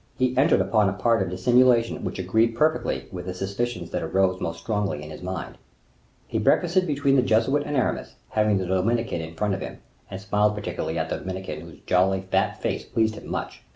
He entered upon a part of dissimulation which agreed perfectly with the suspicions that arose more strongly in his mind. He breakfasted between the Jesuit and Aramis, having the Dominican in front of him, and smiling particularly at the Dominican, whose jolly, fat face pleased him much.